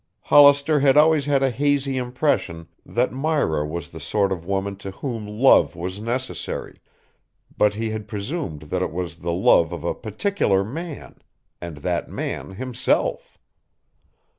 Hollister had always had a hazy impression that Myra was the sort of woman to whom love was necessary, but he had presumed that it was the love of a particular man, and that man himself.